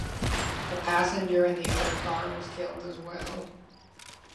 A passenger in the other car was killed as well.